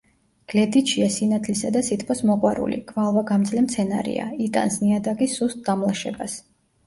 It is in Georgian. გლედიჩია სინათლისა და სითბოს მოყვარული, გვალვაგამძლე მცენარეა; იტანს ნიადაგის სუსტ დამლაშებას.